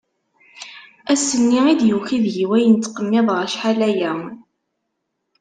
Ass-nni i d-yuki deg-i wayen ttqemmiḍeɣ achal aya.